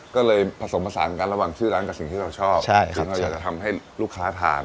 ก็เลยผสมผสานกันระหว่างชื่อร้านกับสิ่งที่เราชอบสิ่งที่เราอยากจะทำให้ลูกค้าทาน